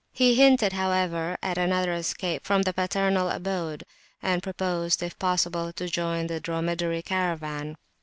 He hinted, however, at another escape from the paternal abode, and proposed, if possible, to join the Dromedary Caravan.